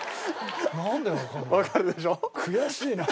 悔しいな。